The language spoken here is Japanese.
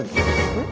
えっ？